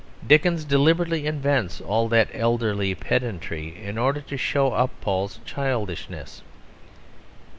Dickens deliberately invents all that elderly pedantry in order to show up Paul's childishness.